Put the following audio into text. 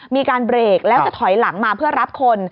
มีการเบรกแล้วจะถอยหลังมาเพื่อรับคน